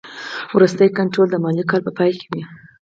وروستی کنټرول د مالي کال په پای کې وي.